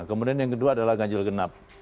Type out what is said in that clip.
kemudian yang kedua adalah ganjil genap